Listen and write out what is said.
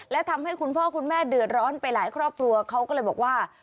และทำให้คุณพ่อคุณแม่เดือดร้อนไปหลายครอบครัวเขาก็เลยบอกว่า